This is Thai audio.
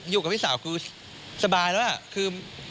อยู่กับพี่สาวคือสบายแล้วคือ